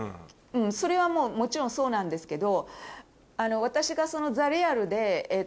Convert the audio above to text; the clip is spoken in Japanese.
それはもちろんそうなんですけど。